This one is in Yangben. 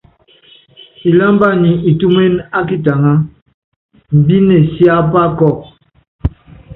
Ilámba nyi itúméne ákitaŋá, imbíne siápá kɔ́ɔku.